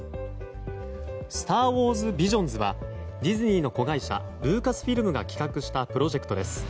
「スター・ウォーズ：ビジョンズ」はディズニーの子会社ルーカスフィルムが企画したプロジェクトです。